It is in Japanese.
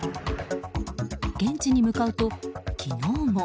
現地に向かうと昨日も。